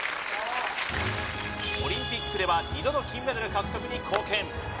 オリンピックでは二度の金メダル獲得に貢献